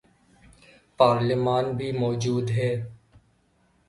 پارلیمان بھی موجود ہے۔